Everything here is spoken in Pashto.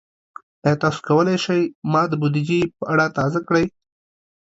ایا تاسو کولی شئ ما د بودیجې په اړه تازه کړئ؟